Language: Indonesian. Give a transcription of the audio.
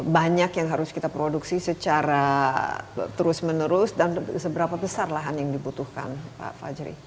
banyak yang harus kita produksi secara terus menerus dan seberapa besar lahan yang dibutuhkan pak fajri